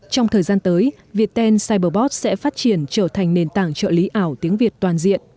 trong thời gian tới viettel cyberbot sẽ phát triển trở thành nền tảng trợ lý ảo tiếng việt toàn diện